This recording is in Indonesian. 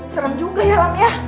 serem juga ya lam ya